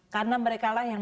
karena mereka lah yang